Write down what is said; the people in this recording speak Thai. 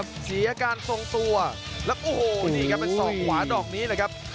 เป็นสองขวาดอกนี้นะครับ